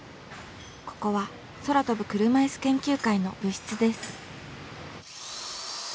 ここは空飛ぶ車いす研究会の部室です。